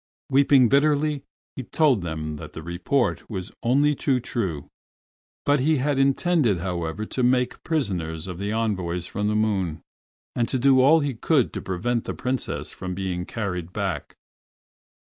Weeping bitterly, he told them that the report was only too true, but he intended, however, to make prisoners of the envoys from the moon, and to do all he could to prevent the Princess from being carried back.